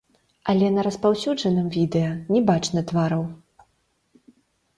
Але на распаўсюджаным відэа не бачна твараў.